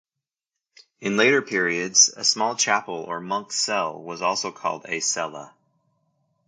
In later periods a small chapel or monk's cell was also called a "cella".